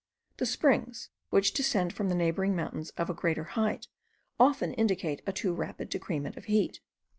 The springs which descend from the neighbouring mountains of a greater height often indicate a too rapid decrement of heat.